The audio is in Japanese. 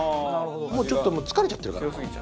ちょっともう疲れちゃってるから。